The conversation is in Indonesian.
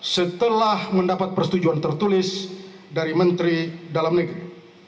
setelah mendapat persetujuan tertulis dari menteri dalam negeri